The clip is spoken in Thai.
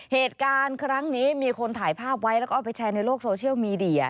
เหตุการณ์ครั้งนี้มีคนถ่ายภาพไว้แล้วก็เอาไปแชร์ในโลกโซเชียลมีเดีย